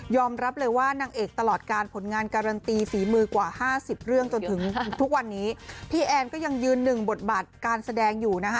รับเลยว่านางเอกตลอดการผลงานการันตีฝีมือกว่าห้าสิบเรื่องจนถึงทุกวันนี้พี่แอนก็ยังยืนหนึ่งบทบาทการแสดงอยู่นะคะ